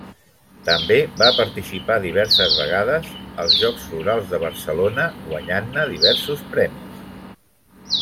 També va participar diverses vegades als Jocs Florals de Barcelona, guanyant-ne diversos premis.